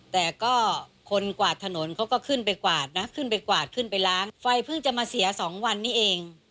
แต่ก็คนกวาดถนนเขาก็ขึ้นไปกวาดนะขึ้นไปกวาดขึ้นไปล้างไฟเพิ่งจะมาเสียสองวันนี้เอง